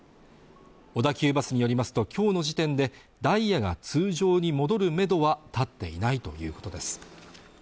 小田急バスによりますと今日の時点でダイヤが通常に戻るめどは立っていないということです